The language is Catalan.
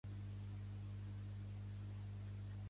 Iowa, Illinois, Kentucky, Mississipí i Tennessee.